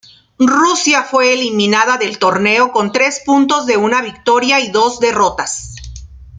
Rusia fue eliminada del torneo con tres puntos de una victoria y dos derrotas.